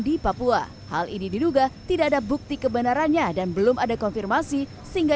di papua hal ini diduga tidak ada bukti kebenarannya dan belum ada konfirmasi sehingga